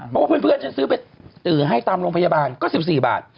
เพราะว่าเพื่อนฉันซื้อไปให้ตามโรงพยาบาลก็๑๔บาท